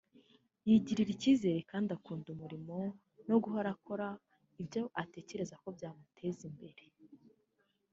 yigirira icyizere kandi akunda umurimo no guhora akora ibyo atekereza ko byamuteza imbere